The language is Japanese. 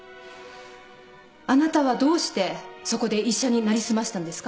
あなたはどうしてそこで医者に成り済ましたんですか？